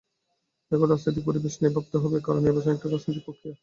এখন রাজনৈতিক পরিবেশ নিয়ে ভাবতে হবে, কারণ নির্বাচন একটা রাজনৈতিক প্রক্রিয়া।